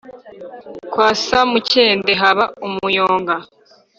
kwa samukende haba umuyonga